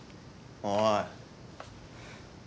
おい！